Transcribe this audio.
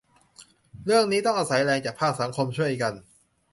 เรื่องนี้ต้องอาศัยแรงจากภาคสังคมช่วยกัน